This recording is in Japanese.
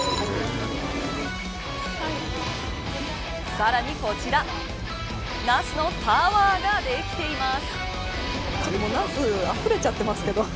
さらにこちらナスのタワーができています。